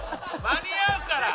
間に合うから。